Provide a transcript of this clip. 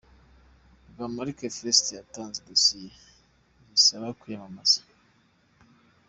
Rwemarika Felicite yatanze dosiye zisaba kwiyamamaza.